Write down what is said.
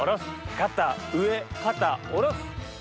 肩上肩下ろす。